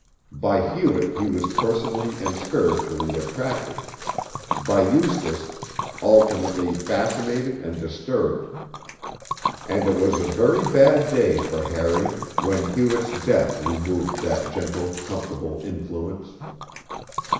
By Hewett he was personally and spiritually attracted; by Eustace alternately fascinated and disturbed. And it was a very bad day for Harry when Hewett's death removed that gentle, comfortable influence.